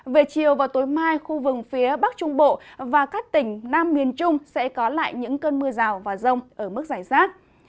về chiều và tối mai khu vực phía bắc trung bộ và các tỉnh nam miền trung sẽ có lại những cơn mưa rào và rông ở mức giải rác